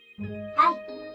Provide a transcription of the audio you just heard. はい。